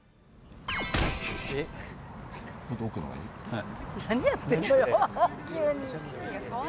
はい。